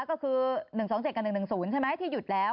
ก็คือ๑๒๗กับ๑๑๐ใช่ไหมที่หยุดแล้ว